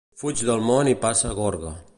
Fuig del món i passa a Gorga.